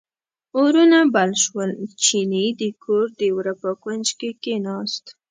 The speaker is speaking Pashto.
اورونه بل شول، چیني د کور د وره په کونج کې کیناست.